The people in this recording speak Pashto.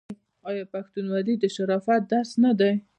آیا پښتونولي د شرافت درس نه دی؟